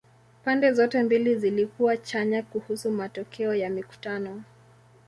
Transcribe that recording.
Pande zote mbili zilikuwa chanya kuhusu matokeo ya mikutano.